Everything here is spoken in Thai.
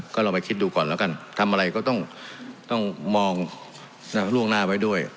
ก็ลองไปคิดดูก่อนแล้วกันทำอะไรก็ต้องมองล่วงหน้าไว้ด้วย